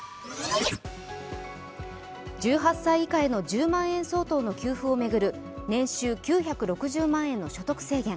１８歳以下への１０万円相当の給付を巡る年収９６０万円の所得制限。